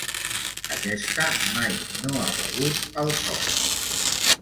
Aquesta mai no ha begut al sol.